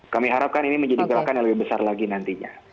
kami harapkan ini menjadi gerakan yang lebih besar lagi nantinya